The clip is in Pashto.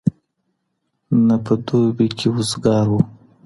نه په دوبي کي وزګار وو